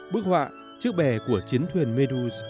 bức họa chiếc bè của chiến thuyền medus